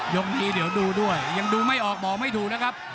ยกนี้เดี๋ยวดูด้วยยังดูไม่ออกบอกไม่ถูกนะครับ